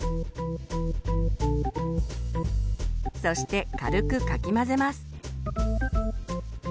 そして軽くかき混ぜます。